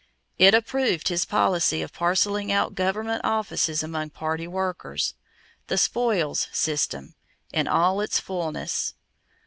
It approved his policy of parceling out government offices among party workers "the spoils system" in all its fullness.